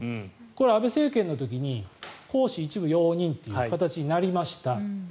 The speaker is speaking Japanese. これ、安倍政権の時に行使一部容認という形になりました。